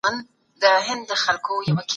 چې وږي ماړه کړو.